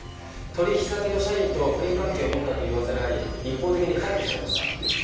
取引先の社員と不倫関係を持ったという噂があり一方的に解雇されました。